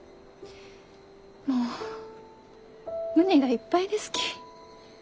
もう胸がいっぱいですき。